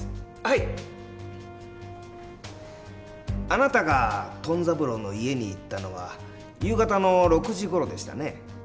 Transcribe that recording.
あなたがトン三郎の家に行ったのは夕方の６時ごろでしたね？